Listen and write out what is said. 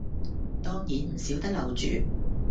當然唔少得樓主